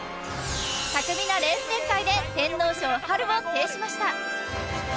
巧みなレース展開で天皇賞を制しました